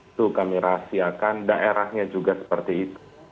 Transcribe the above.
itu kami rahasiakan daerahnya juga seperti itu